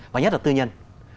và nhất là tư nhân